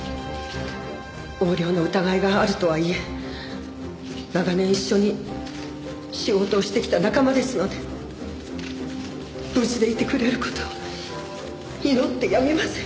横領の疑いがあるとはいえ長年一緒に仕事をしてきた仲間ですので無事でいてくれる事を祈ってやみません。